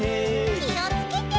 きをつけて。